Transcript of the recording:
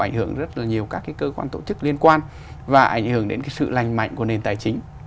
ảnh hưởng rất là nhiều các cái cơ quan tổ chức liên quan và ảnh hưởng đến cái sự lành mạnh của nền tài chính